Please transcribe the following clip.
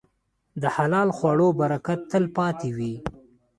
د حلال خوړو برکت تل پاتې دی.